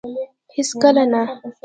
هيڅ کله نه